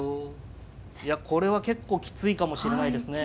これは結構きついかもしれないですね。